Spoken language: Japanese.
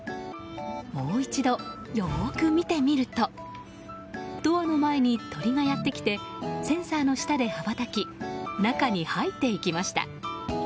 もう一度、よく見てみるとドアの前に鳥がやってきてセンサーの下で羽ばたき中に入っていきました。